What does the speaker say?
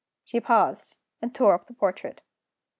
She paused, and tore up the portrait.